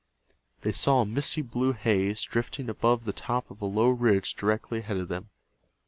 They saw a misty blue haze drifting above the top of a low ridge directly ahead of them.